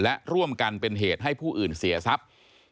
และร่วมกันเป็นเหตุให้ผู้อื่นเสียทรัพย์